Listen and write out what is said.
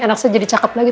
anak saya jadi cakep lagi